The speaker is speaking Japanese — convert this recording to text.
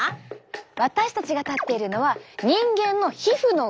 私たちが立っているのは人間の皮膚の上。